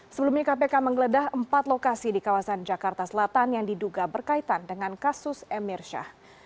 sebelumnya kpk menggeledah empat lokasi di kawasan jakarta selatan yang diduga berkaitan dengan kasus emir syah